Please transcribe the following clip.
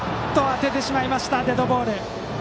当ててしまいましたデッドボール。